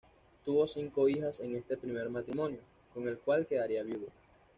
Tuvo cinco hijas en este primer matrimonio, con el cual quedaría viudo.